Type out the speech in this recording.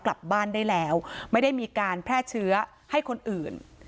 กลับบ้านได้แล้วไม่ได้มีการแพร่เชื้อให้คนอื่น